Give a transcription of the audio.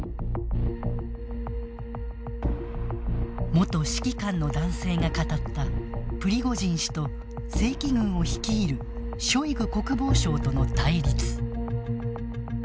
元指揮官の男性が語ったプリゴジン氏と正規軍を率いるショイグ国防相との対立。